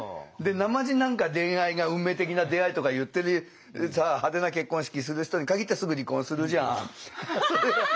でなまじ何か恋愛が運命的な出会いとか言ってるさ派手な結婚式する人にかぎってすぐ離婚するじゃん。